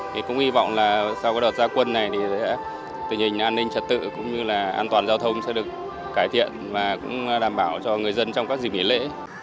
thì cũng hy vọng là sau đợt gia quân này thì tình hình an ninh trật tự cũng như là an toàn giao thông sẽ được cải thiện và cũng đảm bảo cho người dân trong các dịp nghỉ lễ